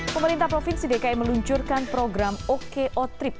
pemerintah provinsi dki meluncurkan program oko trip